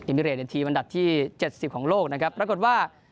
อิมิเรตเดียวทีวันดัดที่เจ็ดสิบของโลกนะครับรับกฎว่า